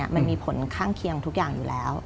มันมีผลข้างเคียงทุกอย่างอยู่แล้ว